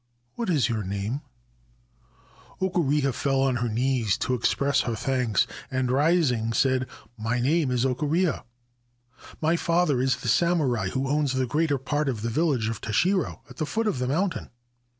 What is your name ?' Okureha fell on her knees to express her thanks, and, rising, said : c My name is Okureha. My father is the samurai who owns the greater part of the village of Tashiro, at the foot of the mountain.